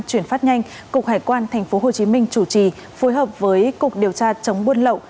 chuyển phát nhanh cục hải quan tp hcm chủ trì phối hợp với cục điều tra chống buôn lậu